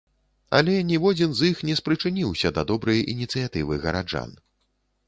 Але ніводзін з іх не спрычыніўся да добрай ініцыятывы гараджан.